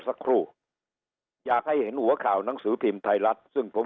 สักครู่อยากให้เห็นหัวข่าวหนังสือพิมพ์ไทยรัฐซึ่งผม